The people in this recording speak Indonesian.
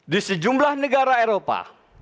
di sejumlah negara eropa